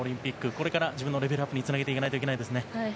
これから自分のレベルアップにつなげていかないといけないですね。